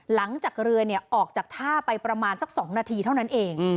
หลังจากเรือออกจากท่าไปประมาณสัก๒นาทีเท่านั้นเอง